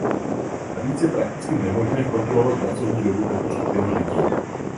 Navíc je prakticky nemožné kontrolovat pracovní dobu této skupiny lidí.